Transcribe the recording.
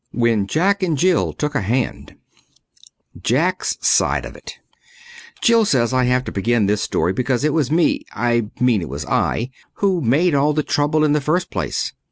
When Jack and Jill Took a Hand Jack's Side of It Jill says I have to begin this story because it was me I mean it was I who made all the trouble in the first place.